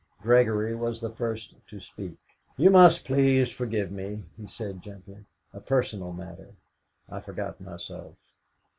Gregory was the first to speak. "You must please forgive me," he said gently. "A personal matter; I forgot myself."